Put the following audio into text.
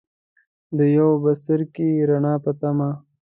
د یو بڅرکي ، رڼا پۀ تمه